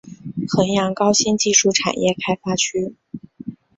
衡阳高新技术产业开发区